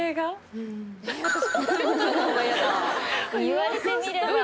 言われてみれば。